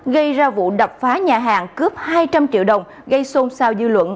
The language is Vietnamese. gây ra vụ đập phá nhà hàng cướp hai trăm linh triệu đồng gây xôn xao dư luận